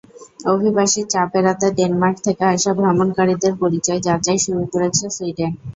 অভিবাসীর চাপ এড়াতে ডেনমার্ক থেকে আসা ভ্রমণকারীদের পরিচয় যাচাই শুরু করেছে সুইডেন।